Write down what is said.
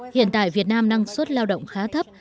hiện tại việt nam năng suất lao động khá thấp